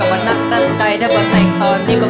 กับน้ำตั้นใจแต่บอกแต่งตอนด้วย